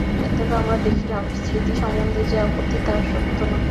অতএব আমরা দেখিলাম, স্মৃতি সম্বন্ধে যে আপত্তি, তাহা সত্য নহে।